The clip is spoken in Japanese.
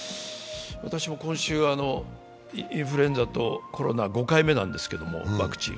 私も今週、インフルエンザとコロナ５回目なんですがワクチン